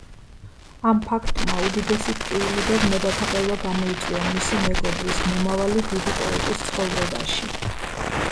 ამ ფაქტმა უდიდესი ტკივილი და ვნებათაღელვა გამოიწვია მისი მეგობრის, მომავალი დიდი პოეტის ცხოვრებაში.